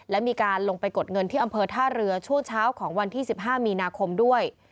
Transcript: และมีการลงไปกดเงินที่อำเภอท่าเรือช่วงเช้าของวันที่๑๕มีนาคมด้วย